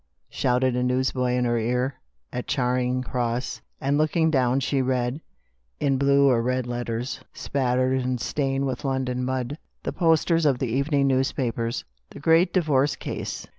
shouted a newsboy in her ear, at Charing Cross ; and looking down she read, in huge blue or red letters, spattered and stained with London mud, the posters of the evening newspapers :" The Great Divorce Case.